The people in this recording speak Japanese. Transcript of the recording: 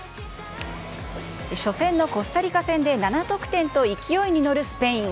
初戦のコスタリカ戦で、７得点と勢いに乗るスペイン。